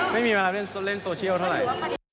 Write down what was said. ไม่มีเวลาเล่นโซเชียลเท่าไหร่